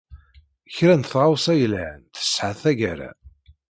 Kra n tɣawsa yelhan tesɛa tagara.